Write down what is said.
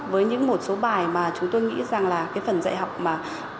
với những một số bài mà chúng tôi nghĩ rằng là cái phần dạy học mà